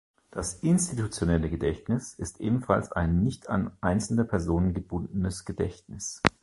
Das Institutionelle Gedächtnis ist ebenfalls ein nicht an einzelne Personen gebundenes Gedächtnis.